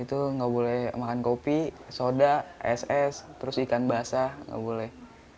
itu nggak boleh makan kopi soda es es terus ikan basah nggak boleh